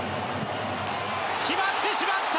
決まってしまった！